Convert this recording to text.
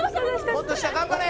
「もっと下頑張れ！」